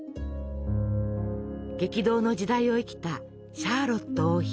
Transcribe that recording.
激動の時代を生きたシャーロット王妃。